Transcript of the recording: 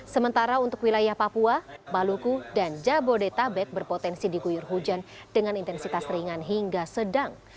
sementara untuk wilayah papua maluku dan jabodetabek berpotensi diguyur hujan dengan intensitas ringan hingga sedang